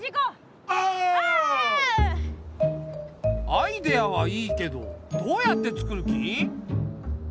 アイデアはいいけどどうやってつくる気？